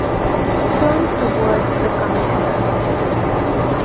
He turned towards the Commissaire.